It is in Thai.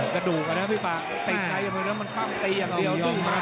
กระดูกอ่ะนะพี่ฟ้าติดเลยมันพันตีอย่างเดียว